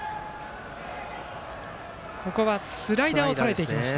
ここはスライダーをとらえていきました。